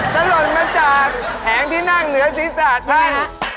จะหล่นมาจากแหงที่นั่งเหนือศิษย์ศาสตร์ท่าน